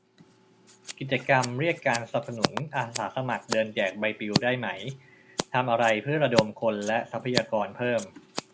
กิจกรรมเรียกการสนับสนุน อาสาสมัครเดินแจกใบปลิวได้ไหม ทำอะไรเพื่อระดมคนและทรัพยากรเพิ่ม